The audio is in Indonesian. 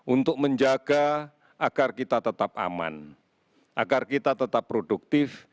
untuk menjaga agar kita tetap aman agar kita tetap produktif